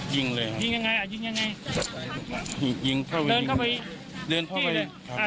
ยิงเลยยิงยังไงอ่ะยิงยังไงยิงเข้าไปเดินเข้าไปเริ่มเข้าไปอ่ะ